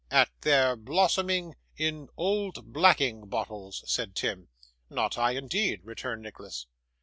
'At their blossoming in old blacking bottles,' said Tim. 'Not I, indeed,' returned Nicholas.